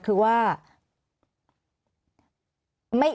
คือว่า